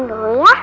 dan dulu ya